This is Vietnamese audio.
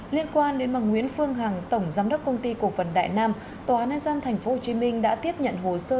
liên quan đến bằng nguyễn phương hằng tổng giám đốc công ty cộng phần đại nam tòa án an gian tp hcm đã tiếp nhận hồ sơ